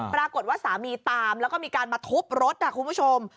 ปรากฏว่าสามีตามแล้วก็มีการมาทุบรถนะคุณผู้ชม